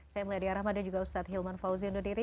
saya melayu adiyah rahman dan juga ustadz hilman fauziy undur diri